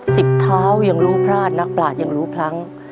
เท้ายังรู้พลาดนักปลาดยังรู้พลั้ง